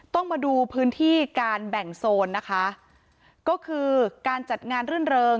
ต้องมาดูพื้นที่การแบ่งโซนนะคะก็คือการจัดงานรื่นเริง